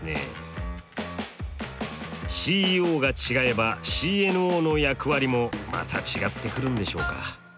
ＣＥＯが違えばＣＮＯの役割もまた違ってくるんでしょうか。